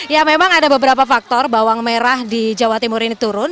ya memang ada beberapa faktor bawang merah di jawa timur ini turun